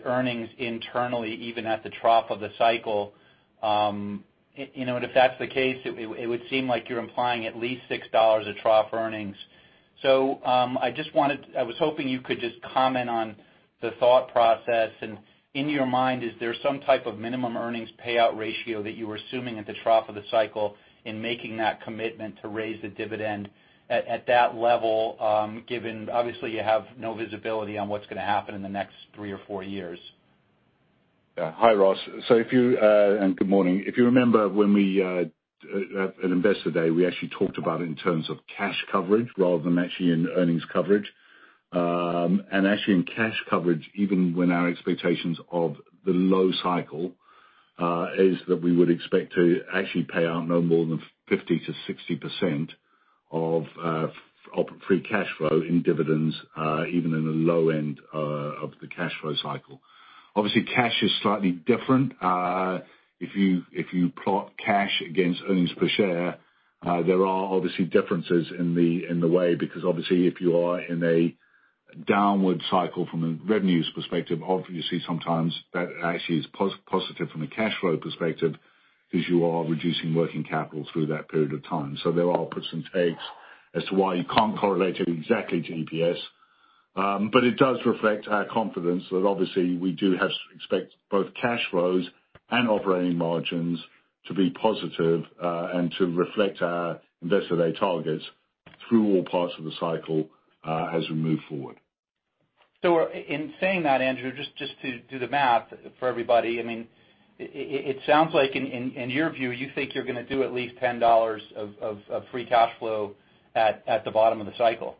S10: earnings internally, even at the trough of the cycle. If that's the case, it would seem like you're implying at least $6 of trough earnings. I was hoping you could just comment on the thought process, and in your mind, is there some type of minimum earnings payout ratio that you were assuming at the trough of the cycle in making that commitment to raise the dividend at that level given obviously you have no visibility on what's going to happen in the next three or four years?
S4: Yeah. Hi, Ross, and good morning. If you remember, at Investor Day, we actually talked about it in terms of cash coverage rather than actually in earnings coverage. Actually in cash coverage, even when our expectations of the low cycle is that we would expect to actually pay out no more than 50%-60% of free cash flow in dividends, even in the low end of the cash flow cycle. Obviously, cash is slightly different. If you plot cash against earnings per share, there are obviously differences in the way, because obviously if you are in a downward cycle from a revenues perspective, obviously sometimes that actually is positive from a cash flow perspective, because you are reducing working capital through that period of time. There are puts and takes as to why you can't correlate it exactly to EPS. It does reflect our confidence that obviously we do expect both cash flows and operating margins to be positive, and to reflect our Investor Day targets through all parts of the cycle, as we move forward.
S10: In saying that, Andrew, just to do the math for everybody, it sounds like in your view, you think you're going to do at least $10 of free cash flow at the bottom of the cycle.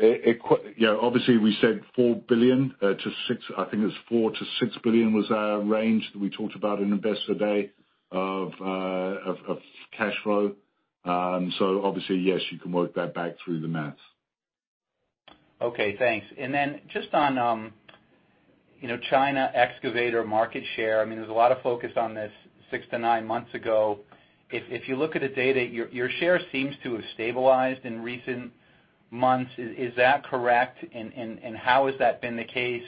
S4: Obviously we said $4 billion-$6 billion. I think it was $4 billion-$6 billion was our range that we talked about in Investor Day of cash flow. So obviously, yes, you can work that back through the math.
S10: Okay, thanks. Just on China excavator market share. There was a lot of focus on this 6-9 months ago. If you look at the data, your share seems to have stabilized in recent months. Is that correct? How has that been the case?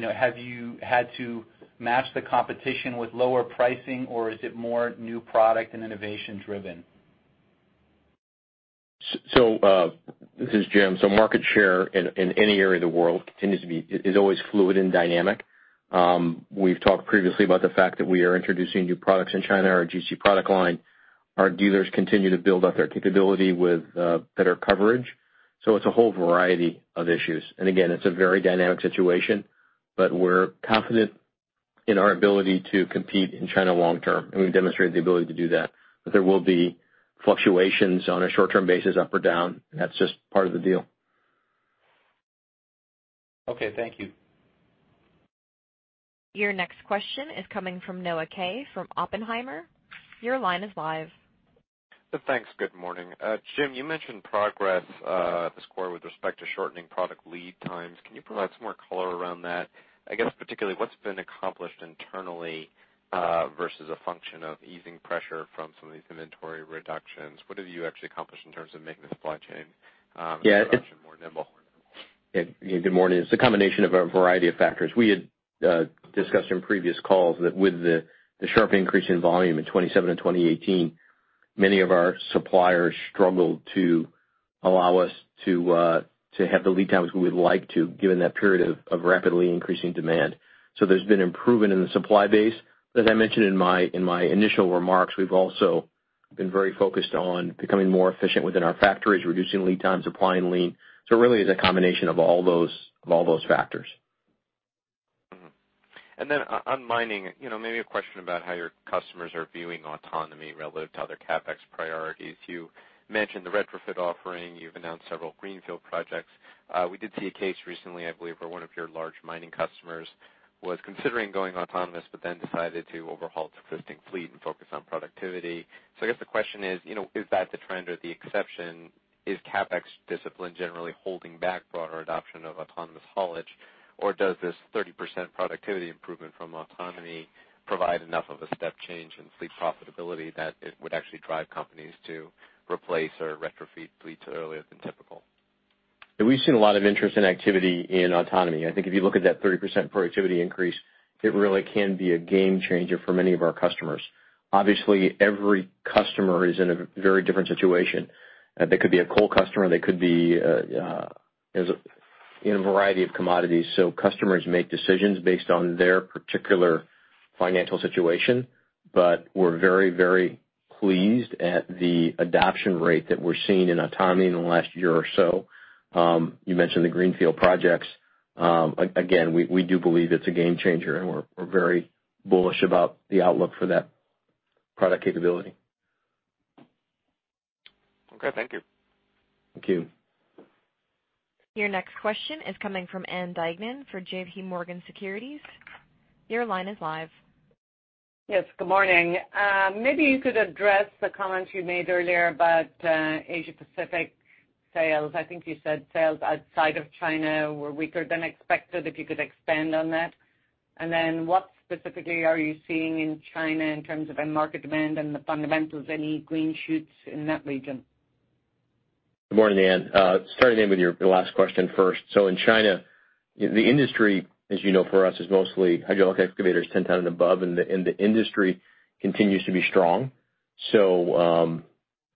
S10: Have you had to match the competition with lower pricing, or is it more new product and innovation driven?
S3: This is Jim. Market share in any area of the world is always fluid and dynamic. We've talked previously about the fact that we are introducing new products in China, our Cat GC product line. Our dealers continue to build out their capability with better coverage. It's a whole variety of issues. Again, it's a very dynamic situation, but we're confident in our ability to compete in China long term, and we've demonstrated the ability to do that. There will be fluctuations on a short-term basis, up or down. That's just part of the deal.
S10: Okay, thank you.
S1: Your next question is coming from Noah Kaye from Oppenheimer. Your line is live.
S11: Thanks. Good morning. Jim, you mentioned progress at the score with respect to shortening product lead times. Can you provide some more color around that? I guess particularly, what's been accomplished internally, versus a function of easing pressure from some of these inventory reductions. What have you actually accomplished in terms of making the supply chain-
S3: Yeah.
S11: more nimble?
S3: Yeah. Good morning. It's a combination of a variety of factors. We had discussed in previous calls that with the sharp increase in volume in 2017 and 2018, many of our suppliers struggled to allow us to have the lead times we would like to, given that period of rapidly increasing demand. There's been improvement in the supply base. As I mentioned in my initial remarks, we've also been very focused on becoming more efficient within our factories, reducing lead times, applying lean. It really is a combination of all those factors.
S11: Mm-hmm. Then on mining, maybe a question about how your customers are viewing autonomy relative to other CapEx priorities. You mentioned the retrofit offering. You've announced several greenfield projects. We did see a case recently, I believe, where one of your large mining customers was considering going autonomous, but then decided to overhaul its existing fleet and focus on productivity. I guess the question is that the trend or the exception? Is CapEx discipline generally holding back broader adoption of autonomous haulage, or does this 30% productivity improvement from autonomy provide enough of a step change in fleet profitability that it would actually drive companies to replace or retrofit fleets earlier than typical?
S3: We've seen a lot of interest and activity in autonomy. I think if you look at that 30% productivity increase, it really can be a game changer for many of our customers. Obviously, every customer is in a very different situation. They could be a coal customer, they could be in a variety of commodities. Customers make decisions based on their particular financial situation. We're very, very pleased at the adoption rate that we're seeing in autonomy in the last year or so. You mentioned the greenfield projects. Again, we do believe it's a game changer, and we're very bullish about the outlook for that product capability.
S11: Okay, thank you.
S3: Thank you.
S1: Your next question is coming from Ann Duignan for JPMorgan Securities. Your line is live.
S12: Yes, good morning. Maybe you could address the comments you made earlier about Asia Pacific sales. I think you said sales outside of China were weaker than expected, if you could expand on that. What specifically are you seeing in China in terms of end market demand and the fundamentals? Any green shoots in that region?
S3: Good morning, Ann. Starting with your last question first. In China, the industry, as you know, for us is mostly hydraulic excavators 10-ton and above, and the industry continues to be strong.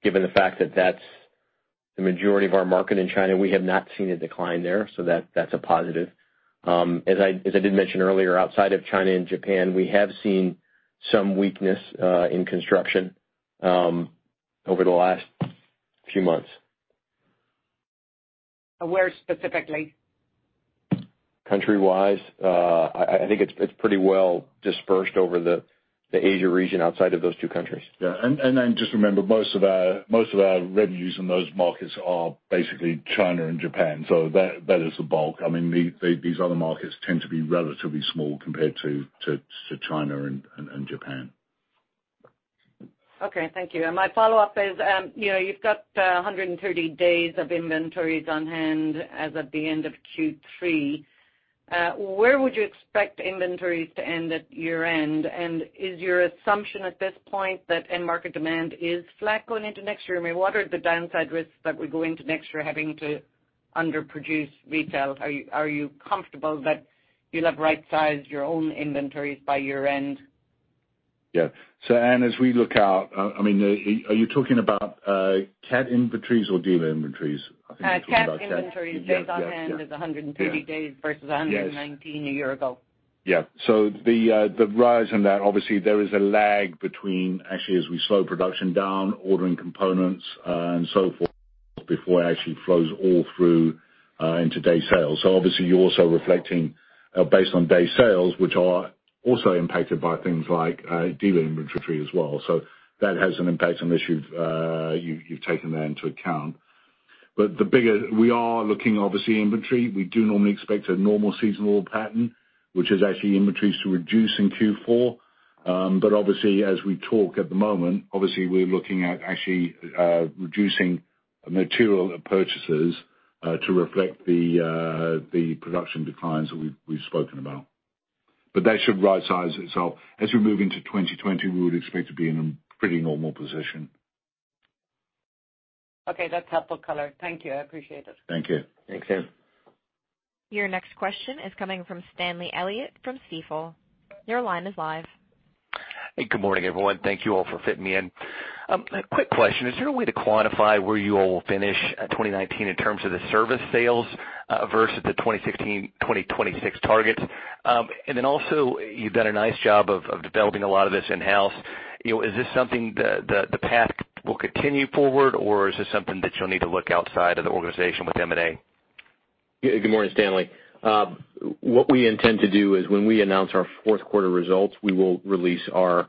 S3: Given the fact that that's the majority of our market in China, we have not seen a decline there, that's a positive. As I did mention earlier, outside of China and Japan, we have seen some weakness in construction over the last few months.
S12: Where specifically?
S3: Country-wise, I think it's pretty well dispersed over the Asia region outside of those two countries.
S4: Just remember, most of our revenues in those markets are basically China and Japan. That is the bulk. These other markets tend to be relatively small compared to China and Japan.
S12: Okay, thank you. My follow-up is, you've got 130 days of inventories on hand as of the end of Q3. Where would you expect inventories to end at year-end? Is your assumption at this point that end market demand is flat going into next year? I mean, what are the downside risks that would go into next year having to underproduce retail? Are you comfortable that you'll have right-sized your own inventories by year-end?
S4: Yeah. Ann, as we look out, are you talking about Cat inventories or dealer inventories? I think you're talking about Cat.
S12: Cat inventories on hand is 130 days versus 119 a year ago.
S4: The rise in that, obviously there is a lag between actually as we slow production down, ordering components, and so forth before it actually flows all through into day sales. Obviously you're also reflecting based on day sales, which are also impacted by things like dealer inventory as well. That has an impact unless you've taken that into account. We are looking, obviously, inventory. We do normally expect a normal seasonal pattern, which is actually inventories to reduce in Q4. Obviously as we talk at the moment, obviously we're looking at actually reducing material purchases to reflect the production declines that we've spoken about. That should rightsize itself. As we move into 2020, we would expect to be in a pretty normal position.
S12: Okay. That's helpful color. Thank you. I appreciate it.
S4: Thank you.
S3: Thanks, Ann.
S1: Your next question is coming from Stanley Elliott from Stifel. Your line is live.
S13: Good morning, everyone. Thank you all for fitting me in. A quick question. Is there a way to quantify where you all will finish 2019 in terms of the service sales versus the 2016, 2026 targets? You've done a nice job of developing a lot of this in-house. Is this something that the path will continue forward, or is this something that you'll need to look outside of the organization with M&A?
S3: Good morning, Stanley. What we intend to do is when we announce our fourth quarter results, we will release our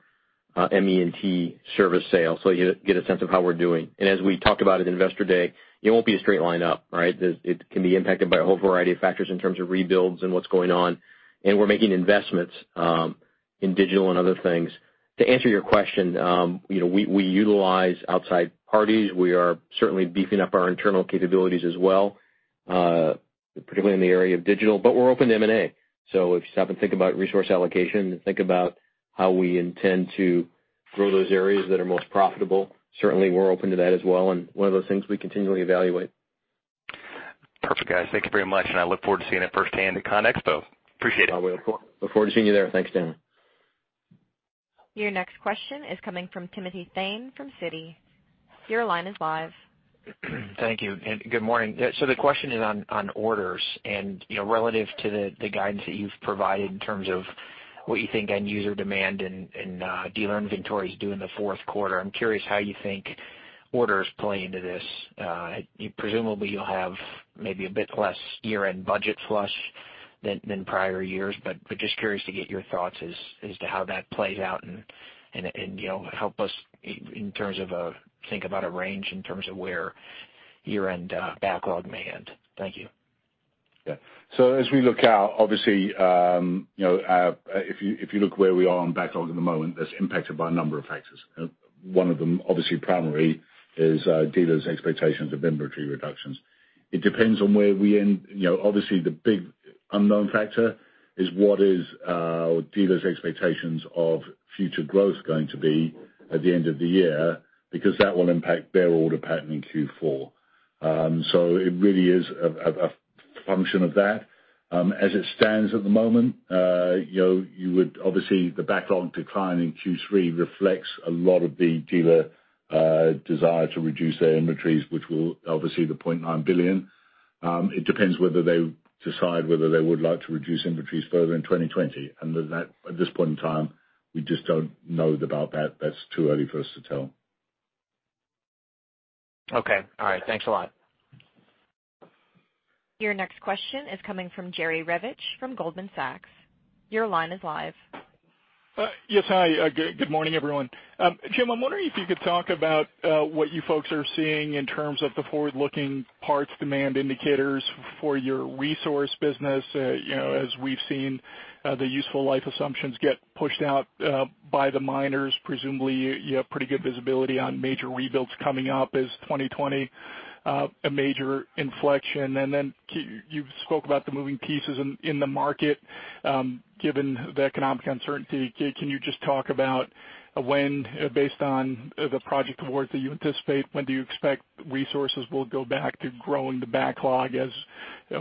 S3: ME&T service sale so you get a sense of how we're doing. As we talked about at Investor Day, it won't be a straight line up, right? It can be impacted by a whole variety of factors in terms of rebuilds and what's going on, and we're making investments in digital and other things. To answer your question, we utilize outside parties. We are certainly beefing up our internal capabilities as well, particularly in the area of digital, but we're open to M&A. If you stop and think about resource allocation and think about how we intend to grow those areas that are most profitable, certainly we're open to that as well. One of those things we continually evaluate.
S13: Perfect guys. Thank you very much, and I look forward to seeing it firsthand at ConExpo. Appreciate it.
S3: Look forward to seeing you there. Thanks, Stanley.
S1: Your next question is coming from Timothy Thein from Citigroup. Your line is live.
S14: Thank you, and good morning. The question is on orders, and relative to the guidance that you've provided in terms of what you think end user demand and dealer inventories do in the fourth quarter, I'm curious how you think orders play into this. Presumably you'll have maybe a bit less year-end budget flush than prior years, but just curious to get your thoughts as to how that plays out, and help us in terms of think about a range in terms of where year-end backlog may end. Thank you.
S4: As we look out, obviously, if you look where we are on backlog at the moment, that's impacted by a number of factors. One of them, obviously primary, is dealers' expectations of inventory reductions. It depends on where we end. Obviously, the big unknown factor is what is dealers' expectations of future growth going to be at the end of the year, because that will impact their order pattern in Q4. It really is a function of that. As it stands at the moment, obviously the backlog decline in Q3 reflects a lot of the dealer desire to reduce their inventories, which will obviously the $0.9 billion. It depends whether they decide whether they would like to reduce inventories further in 2020, and at this point in time, we just don't know about that. That's too early for us to tell.
S14: Okay. All right. Thanks a lot.
S1: Your next question is coming from Jerry Revich from Goldman Sachs. Your line is live.
S15: Yes. Hi, good morning, everyone. Jim, I'm wondering if you could talk about what you folks are seeing in terms of the forward-looking parts demand indicators for your Resource Industries business. We've seen the useful life assumptions get pushed out by the miners, presumably you have pretty good visibility on major rebuilds coming up. Is 2020 a major inflection? You've spoke about the moving pieces in the market, given the economic uncertainty, can you just talk about when, based on the project awards that you anticipate, when do you expect Resource Industries will go back to growing the backlog as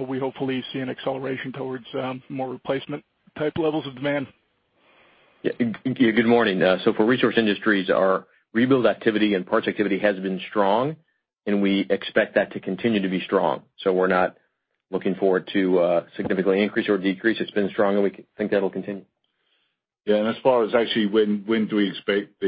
S15: we hopefully see an acceleration towards more replacement type levels of demand?
S3: Yeah. Good morning. For Resource Industries, our rebuild activity and parts activity has been strong, and we expect that to continue to be strong. We're not looking forward to a significant increase or decrease. It's been strong, and we think that'll continue.
S4: Yeah. As far as actually when do we expect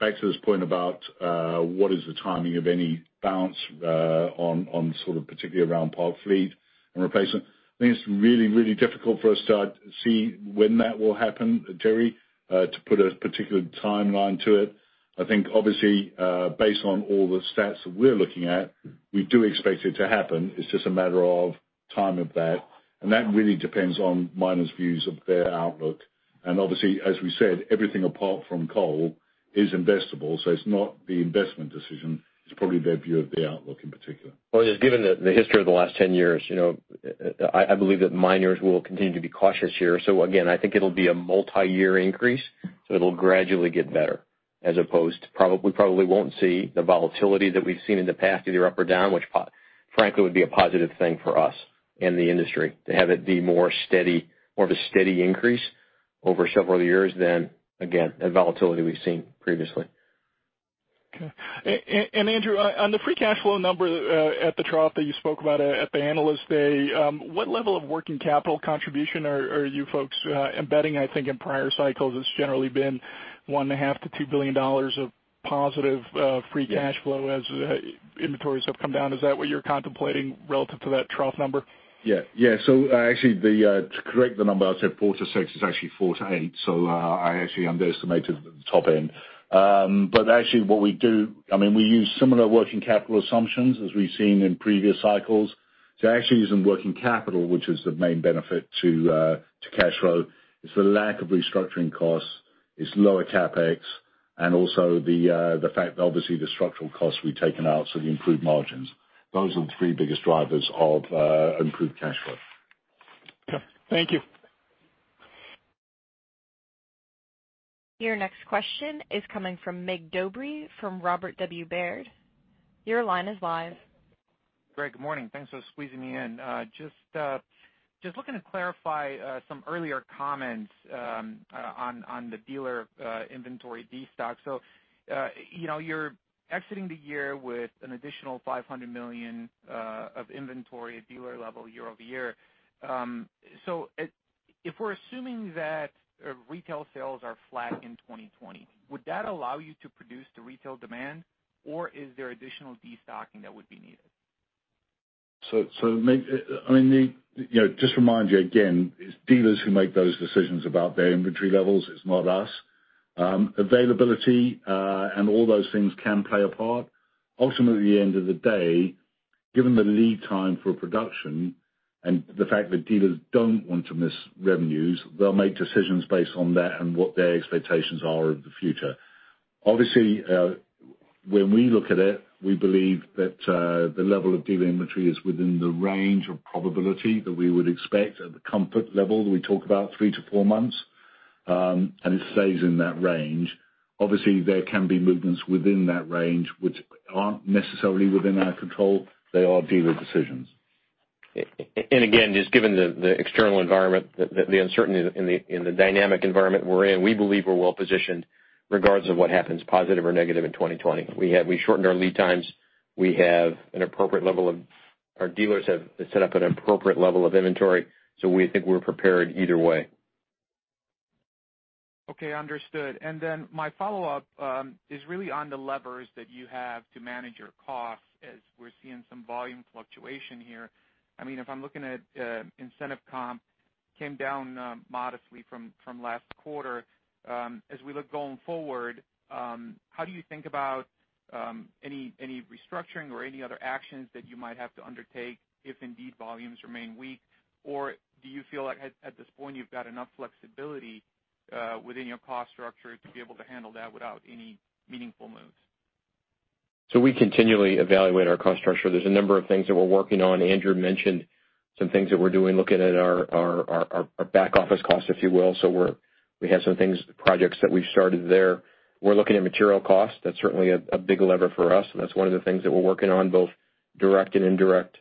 S4: back to this point about, what is the timing of any bounce on sort of particularly around parked fleet and replacement. I think it's really, really difficult for us to see when that will happen, Jerry, to put a particular timeline to it. I think obviously, based on all the stats that we're looking at, we do expect it to happen. It's just a matter of timing of that, and that really depends on miners' views of their outlook. Obviously, as we said, everything apart from coal is investable, it's not the investment decision, it's probably their view of the outlook in particular.
S3: Well, just given the history of the last 10 years, I believe that miners will continue to be cautious here. Again, I think it'll be a multi-year increase, so it'll gradually get better as opposed to probably won't see the volatility that we've seen in the past, either up or down, which frankly, would be a positive thing for us and the industry to have it be more of a steady increase over several years than, again, the volatility we've seen previously.
S15: Okay. Andrew, on the free cash flow number at the trough that you spoke about at the Investor Day, what level of working capital contribution are you folks embedding? I think in prior cycles, it's generally been $1.5 billion-$2 billion of positive free cash flow as inventories have come down. Is that what you're contemplating relative to that trough number?
S4: Yeah. Actually, to correct the number, I said four to six, it is actually four to eight, so I actually underestimated the top end. Actually, what we do, we use similar working capital assumptions as we have seen in previous cycles. Actually using working capital, which is the main benefit to cash flow, is the lack of restructuring costs, is lower CapEx, and also the fact that obviously the structural costs we have taken out, so the improved margins. Those are the three biggest drivers of improved cash flow.
S15: Okay. Thank you.
S2: Your next question is coming from Mig Dobre from Robert W. Baird. Your line is live.
S16: Great, good morning. Thanks for squeezing me in. Just looking to clarify some earlier comments on the dealer inventory destock. You're exiting the year with an additional $500 million of inventory at dealer level year-over-year. If we're assuming that retail sales are flat in 2020, would that allow you to produce to retail demand, or is there additional destocking that would be needed?
S4: Mig, just remind you again, it's dealers who make those decisions about their inventory levels. It's not us. Availability, all those things can play a part. Ultimately, at the end of the day, given the lead time for production and the fact that dealers don't want to miss revenues, they'll make decisions based on that and what their expectations are of the future. Obviously, when we look at it, we believe that the level of dealer inventory is within the range of probability that we would expect at the comfort level that we talk about, three to four months, and it stays in that range. Obviously, there can be movements within that range, which aren't necessarily within our control. They are dealer decisions.
S3: Again, just given the external environment, the uncertainty in the dynamic environment we're in, we believe we're well-positioned regardless of what happens, positive or negative in 2020. We shortened our lead times. Our dealers have set up an appropriate level of inventory. We think we're prepared either way.
S16: Okay, understood. My follow-up is really on the levers that you have to manage your costs as we're seeing some volume fluctuation here. If I'm looking at incentive comp came down modestly from last quarter. As we look going forward, how do you think about any restructuring or any other actions that you might have to undertake if indeed volumes remain weak? Do you feel like at this point you've got enough flexibility within your cost structure to be able to handle that without any meaningful moves?
S3: We continually evaluate our cost structure. There's a number of things that we're working on. Andrew mentioned some things that we're doing, looking at our back-office costs, if you will. We have some things, projects that we've started there. We're looking at material costs. That's certainly a big lever for us, and that's one of the things that we're working on, both direct and indirect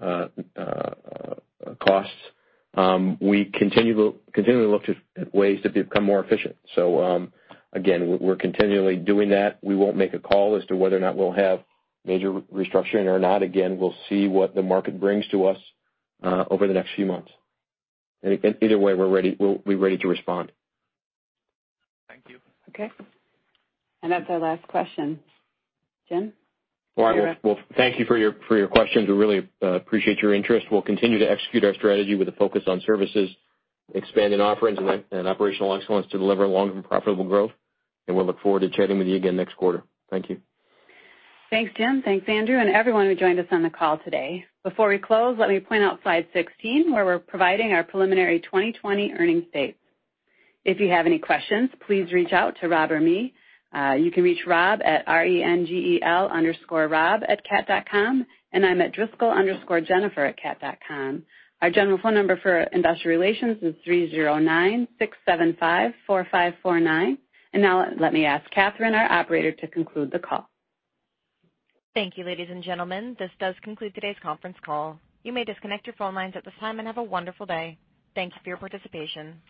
S3: costs. We continually look at ways to become more efficient. Again, we're continually doing that. We won't make a call as to whether or not we'll have major restructuring or not. Again, we'll see what the market brings to us over the next few months. Either way, we'll be ready to respond.
S16: Thank you.
S2: Okay. That's our last question. Jim?
S3: All right. Well, thank you for your questions. We really appreciate your interest. We'll continue to execute our strategy with a focus on services, expanding offerings, and operational excellence to deliver long-term profitable growth. We look forward to chatting with you again next quarter. Thank you.
S2: Thanks, Jim. Thanks, Andrew, everyone who joined us on the call today. Before we close, let me point out slide 16, where we're providing our preliminary 2020 earnings dates. If you have any questions, please reach out to Rob or me. You can reach Rob at rengel_rob@cat.com, and I'm at Driscoll_Jennifer@cat.com. Our general phone number for Investor Relations is 309-675-4549. Now let me ask Catherine, our operator, to conclude the call.
S1: Thank you, ladies and gentlemen. This does conclude today's conference call. You may disconnect your phone lines at this time, and have a wonderful day. Thank you for your participation.